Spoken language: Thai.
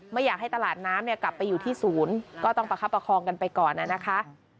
ไม่อยากให้ตลาดน้ำเนี่ยกลับไปอยู่ที่ศูนย์ก็ต้องประคับประคองกันไปก่อนนะคะ